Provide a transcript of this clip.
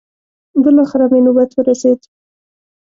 بلاخره مې نوبت ورسېد.